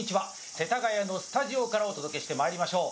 世田谷のスタジオからお届けしてまいりましょう。